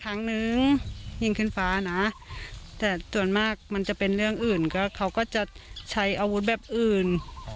ครั้งนึงยิงขึ้นฟ้านะแต่ส่วนมากมันจะเป็นเรื่องอื่นก็เขาก็จะใช้อาวุธแบบอื่น